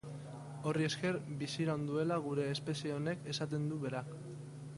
Horri esker biziraun duela gure espezie honek, esaten du berak.